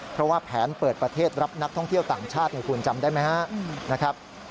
เพราะว่าแผนเปิดประเทศรับนักท่องเที่ยวต่างชาติคุณจำได้ไหมครับ